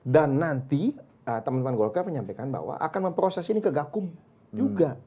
dan nanti teman teman golkar menyampaikan bahwa akan memproses ini ke gakum juga